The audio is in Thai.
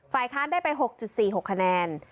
ค้านได้ไป๖๔๖คะแนน